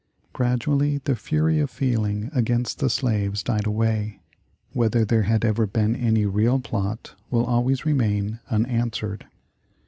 Gradually the fury of feeling against the slaves died away. Whether there had ever been any real plot will always remain unanswered.